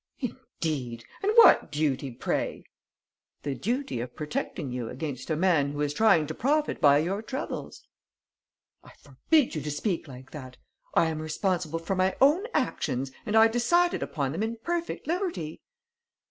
"Indeed! And what duty, pray?" "The duty of protecting you against a man who is trying to profit by your troubles." "I forbid you to speak like that. I am responsible for my own actions, and I decided upon them in perfect liberty."